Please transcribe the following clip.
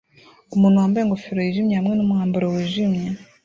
Umuntu wambaye ingofero yijimye hamwe nu mwambaro wijimye